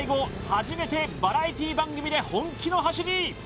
初めてバラエティ番組で本気の走り！